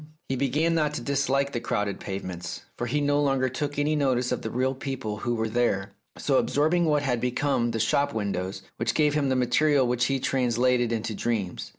He began not to dislike the crowded pavements, for he no longer took any notice of the real people who were there, so absorbing had become the shop windows which gave him the material which he translated into dreams.